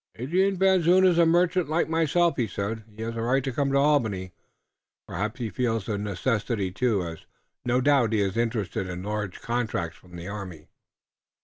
"Adrian Van Zoon is a merchant like myself," he said. "He has a right to come to Albany. Perhaps he feels the necessity, too, as no doubt he is interested in large contracts for the army."